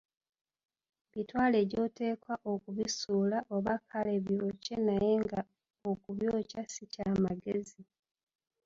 Bitwale gy‘oteekwa okubisuula oba kale byokye naye nga okubyokya si kya magezi.